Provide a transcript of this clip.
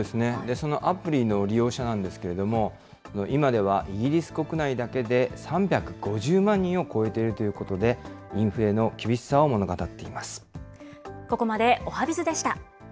そのアプリの利用者なんですけれども、今ではイギリス国内だけで３５０万人を超えているということで、インフレの厳しさを物語っています。